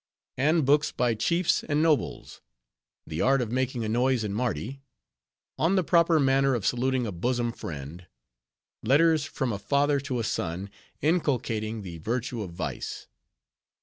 And books by chiefs and nobles:— "The Art of Making a Noise in Mardi." "On the Proper Manner of Saluting a Bosom Friend." "Letters from a Father to a Son, inculcating the Virtue of Vice."